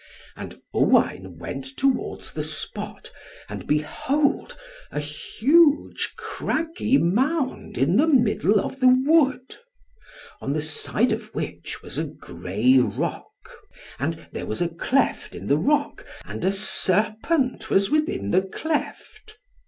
And Owain went towards the spot, and behold a huge craggy mound, in the middle of the wood; on the side of which was a grey rock. And there was a cleft in the rock, and a serpent was within the cleft.